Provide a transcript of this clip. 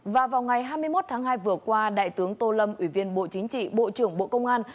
và vào ngày hai mươi một tháng hai vừa qua đại tướng tô lâm ủy viên bộ chính trị bộ trưởng bộ công an